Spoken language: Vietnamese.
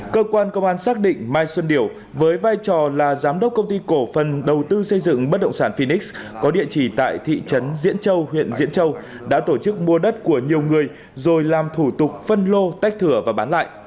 cơ quan công an xác định mai xuân điểu với vai trò là giám đốc công ty cổ phần đầu tư xây dựng bất động sản phinix có địa chỉ tại thị trấn diễn châu huyện diễn châu đã tổ chức mua đất của nhiều người rồi làm thủ tục phân lô tách thửa và bán lại